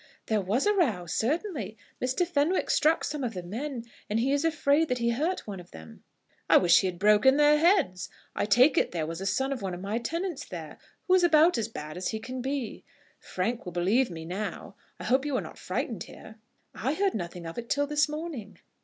"There was a row, certainly. Mr. Fenwick struck some of the men, and he is afraid that he hurt one of them." "I wish he had broken their heads. I take it there was a son of one of my tenants there, who is about as bad as he can be. Frank will believe me now. I hope you were not frightened here." "I heard nothing of it till this morning."